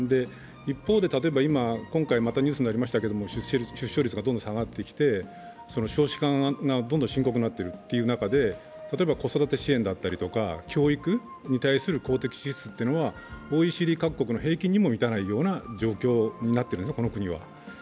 一方で、今回ニュースなりましたけれども、出生率がどんどん下がってきて、少子化がどんどん深刻になっているという中で例えば子育て支援だったり教育に対する公的支出はＯＥＣＤ各国の平均にも満たないような状況になっているんです、この国は。